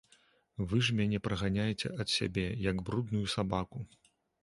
Вы ж мяне праганяеце ад сябе, як брудную сабаку.